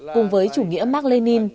cùng với chủ nghĩa mark lenin